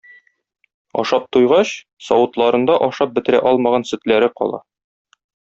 Ашап туйгач, савытларында ашап бетерә алмаган сөтләре кала.